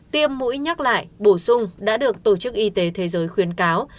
tiêm mũi nhắc lại bổ sung đã được tổ chức y tế thế giới khuyến cáo